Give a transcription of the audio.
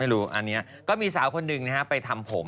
ไม่รู้อันนี้ก็มีสาวคนหนึ่งไปทำผม